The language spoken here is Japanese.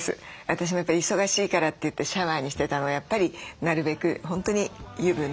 私もやっぱり忙しいからといってシャワーにしてたのをやっぱりなるべく本当に湯船。